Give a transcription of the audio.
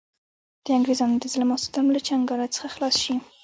د انګرېزانو د ظلم او ستم له چنګاله څخه خلاص شـي.